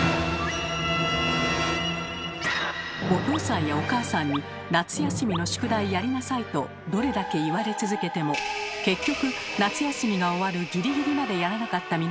お父さんやお母さんに「夏休みの宿題やりなさい」とどれだけ言われ続けても結局夏休みが終わるギリギリまでやらなかった皆さん。